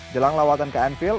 dalam lawatan ke anfield